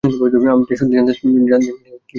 আপনি সত্যিই জানতে চান কী ঘটতে যাচ্ছে সামনে?